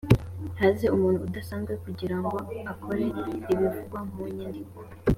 haze umuntu udasanzwe kugira ngo akore ibivugwa mu nyandiko